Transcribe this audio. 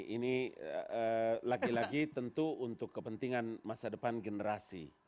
ini lagi lagi tentu untuk kepentingan masa depan generasi